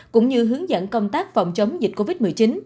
cũng như hướng dẫn công tác phòng chống dịch covid một mươi chín